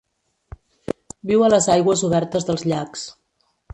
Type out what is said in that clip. Viu a les aigües obertes dels llacs.